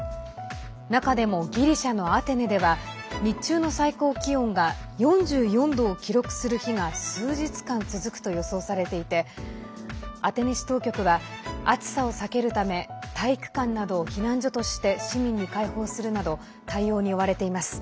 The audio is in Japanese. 中でもギリシャのアテネでは日中の最高気温が４４度を記録する日が数日間続くと予想されていてアテネ市当局は暑さを避けるため体育館などを避難所として市民に開放するなど対応に追われています。